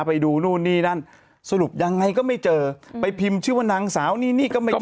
ไปดูนู่นนี่นั่นสรุปยังไงก็ไม่เจอไปพิมพ์ชื่อว่านางสาวนี่นี่ก็ไม่เจอ